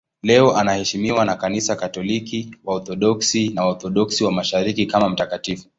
Leo anaheshimiwa na Kanisa Katoliki, Waorthodoksi na Waorthodoksi wa Mashariki kama mtakatifu.